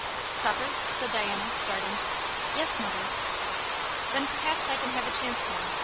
"Supper?" said Diana, starting. "Yes, mother." "Then perhaps I can have a chance now.